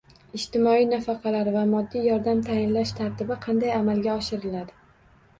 Ijtimoiy nafaqalar va moddiy yordam tayinlash tartibi qanday amalga oshiriladi?